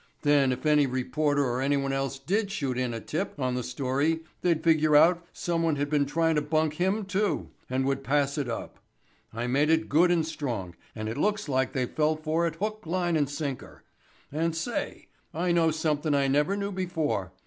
Then if any reporter or anyone else did shoot in a tip on the story they'd figure out someone had been tryin' to bunk him too, and would pass it up. I made it good and strong, and it looks like they fell for it hook, line and sinker. And say, I know somethin' I never knew before.